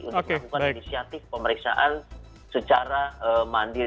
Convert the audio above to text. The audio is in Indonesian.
untuk melakukan inisiatif pemeriksaan secara mandiri